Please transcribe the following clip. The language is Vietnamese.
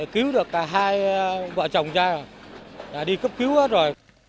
cứu được cả hai vợ chồng cha rồi đã đi cấp cứu hết rồi